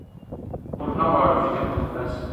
موږ نه غواړو چې ژبه مو مړه شي.